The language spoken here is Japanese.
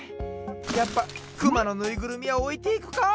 やっぱクマのぬいぐるみはおいていくか！